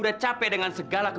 sekali lagi ya sekali lagi